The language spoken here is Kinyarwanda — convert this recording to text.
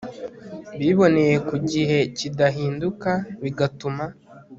biboneye ku gihe kidahinduka bigatuma